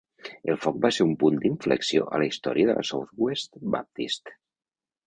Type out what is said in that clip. El foc va ser un punt d'inflexió a la història de la Southwest Baptist.